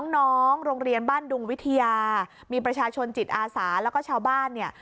น้องโรงเรียนบ้านดุงวิทยามีประชาชนจิตอาสาแล้วก็ชาวบ้านเนี่ย